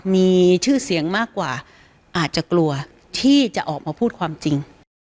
มีชื่อเสียงมากกว่าอาจจะกลัวที่จะออกมาพูดความจริง